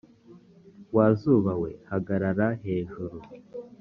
wa zuba we hagarara hejuru